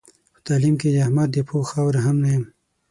په تعلیم کې د احمد د پښو خاوره هم نه یم.